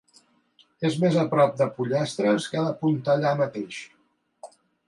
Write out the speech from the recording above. És més a prop de Pollestres que de Pontellà mateix.